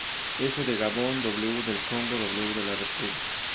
S. de Gabón, W. del Congo, W. de la Rep.